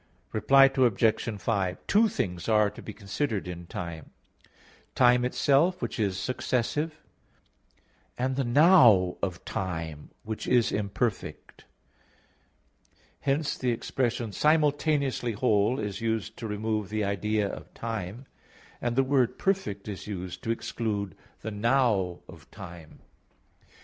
Reply Obj. 5: Two things are to be considered in time: time itself, which is successive; and the "now" of time, which is imperfect. Hence the expression "simultaneously whole" is used to remove the idea of time, and the word "perfect" is used to exclude the "now" of time.